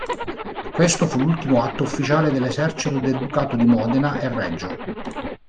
Questo fu l'ultimo atto ufficiale dell'esercito del Ducato di Modena e Reggio.